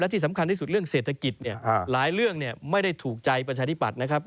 ที่สำคัญที่สุดเรื่องเศรษฐกิจหลายเรื่องไม่ได้ถูกใจประชาธิปัตย์นะครับ